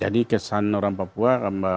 jadi kesan orang papua